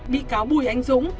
bị cáo bùi ánh dũng